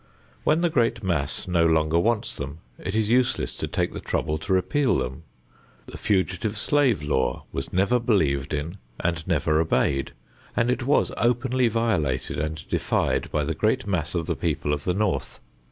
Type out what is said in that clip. When the great mass no longer wants them, it is useless to take the trouble to repeal them. The fugitive slave law was never believed in and never obeyed, and it was openly violated and defied by the great mass of the people of the North.